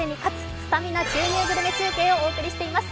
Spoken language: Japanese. スタミナ注入グルメ中継」をお送りしています。